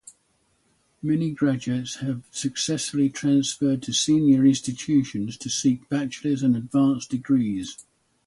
Many graduates have successfully transferred to senior institutions to seek bachelor's and advanced degrees.